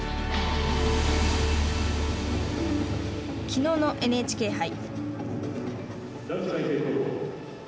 きのうのＮＨＫ杯。